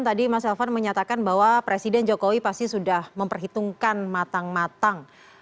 tadi mas elvan menyatakan bahwa presiden jokowi pasti sudah memperhitungkan matang matang